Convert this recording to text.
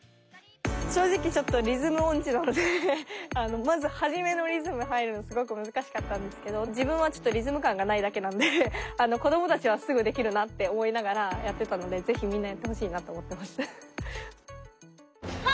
正直ちょっとリズム音痴なのでまず初めのリズムに入るのがすごく難しかったんですけど自分はちょっとリズム感がないだけなんで子どもたちはすぐできるなって思いながらやってたので是非みんなやってほしいなと思ってます。